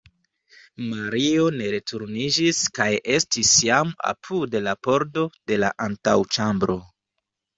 Mario ne returniĝis kaj estis jam apud la pordo de la antaŭĉambro.